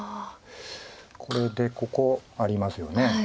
これでここありますよね。